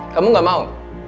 kamu ga mau